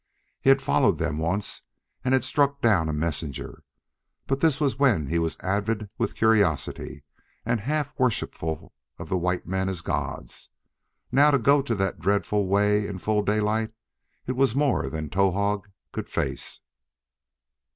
He had followed them once and had struck down a messenger, but this was when he was avid with curiosity and half worshipful of the white men as gods. Now, to go that dreadful way in full daylight! it was more than Towahg could face.